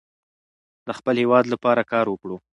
د خپل هیواد لپاره کار وکړو.